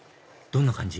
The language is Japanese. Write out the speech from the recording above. どんな感じ？